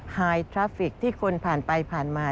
หายทราฟิกที่คนผ่านไปผ่านมา